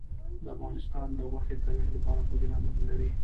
افغانستان د غوښې د ترویج لپاره پروګرامونه لري.